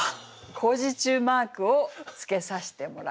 工事中マークをつけさせてもらいます。